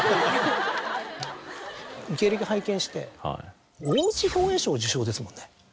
経歴拝見して大内兵衛賞受賞ですもんね。